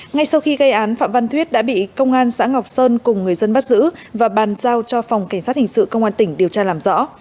ngay sau khi gây án phạm văn thuyết đã bị công an xã ngọc sơn cùng người dân bắt giữ và bàn giao cho phòng cảnh sát hình sự công an tỉnh điều tra làm rõ